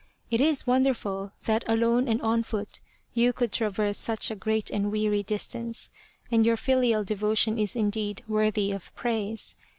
It is wonderful that alone and on foot you could traverse such a great and weary distance, and your filial devotion is indeed worthy of praise.